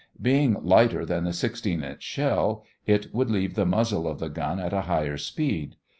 Being lighter than the 16 inch shell, it would leave the muzzle of the gun at a higher speed.